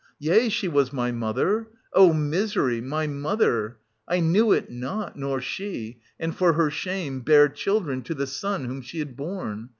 Yea, she was my mother, — oh, misery! — my mother, — I knew it not, nor she — and, for her shame, bare children to the son' whom she had borne.